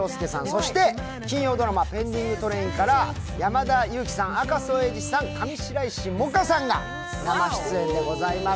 そして金曜ドラマ「ペンディングトレイン」から山田裕貴さん、赤楚衛二さん上白石萌歌さんが生出演でございます。